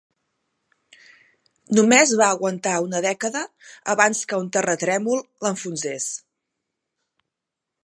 Només va aguantar una dècada abans que un terratrèmol l'enfonsés.